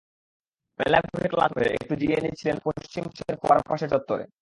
মেলা ঘুরে ক্লান্ত হয়ে একটু জিরিয়ে নিচ্ছিলেন পশ্চিম পাশের ফোয়ারার পাশের চত্বরে।